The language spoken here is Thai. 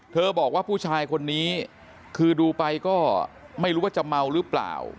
บอกว่าผู้ชายคนนี้คือดูไปก็ไม่รู้ว่าจะเมาหรือเปล่า